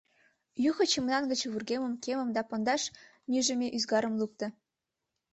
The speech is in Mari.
Юхо чемодан гыч вургемым, кемым да пондаш нӱжымӧ ӱзгарым лукто.